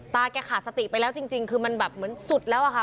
แกขาดสติไปแล้วจริงคือมันแบบเหมือนสุดแล้วอะค่ะ